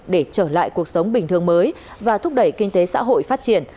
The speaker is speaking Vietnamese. để trở lại cuộc sống bình thường mới và thúc đẩy kinh tế xã hội phát triển